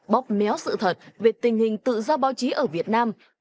bóp méo sự thật về tình hình tự do báo chí ở việt nam